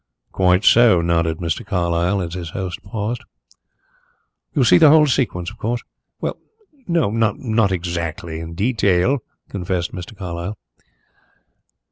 "Quite so," nodded Mr. Carlyle, as his host paused. "You see the whole sequence, of course?" "Not exactly not in detail," confessed Mr. Carlyle.